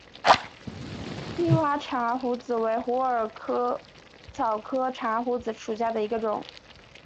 绿花茶藨子为虎耳草科茶藨子属下的一个种。